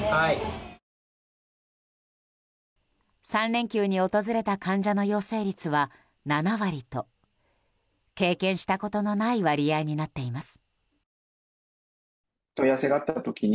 ３連休に訪れた患者の陽性率は７割と経験したことのない割合になっています。